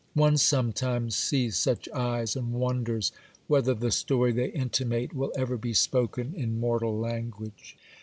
One sometimes sees such eyes, and wonders whether the story they intimate will ever be spoken in mortal language.